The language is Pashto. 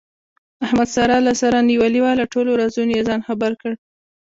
احمد ساره له سره نیولې وه، له ټولو رازونو یې ځان خبر کړ.